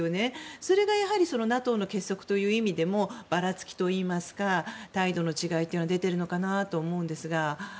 それがＮＡＴＯの結束という意味でもばらつきといいますか態度の違いというのが出ているのかなと思うんですが。